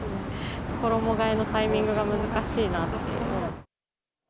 衣がえのタイミングが難しいなって。